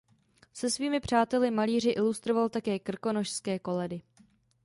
Se svými přáteli malíři ilustroval také krkonošské koledy.